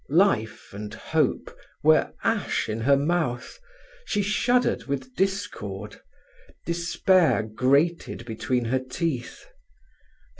Life and hope were ash in her mouth. She shuddered with discord. Despair grated between her teeth.